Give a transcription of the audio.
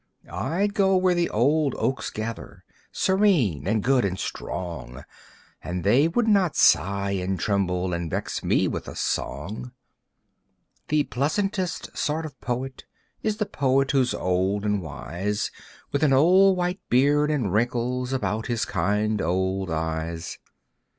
I'd go where the old oaks gather, Serene and good and strong, And they would not sigh and tremble And vex me with a song. The pleasantest sort of poet Is the poet who's old and wise, With an old white beard and wrinkles About his kind old eyes.